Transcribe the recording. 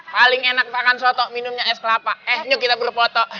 paling enak makan soto minumnya es kelapa eh nyok kita belum foto